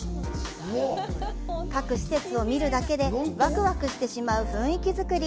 各施設を見るだけでワクワクしてしまう雰囲気づくり。